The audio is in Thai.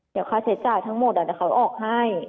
เดี๋ยวข้าเศษจ่ายทั้งหมดอาจจะเขาออกให้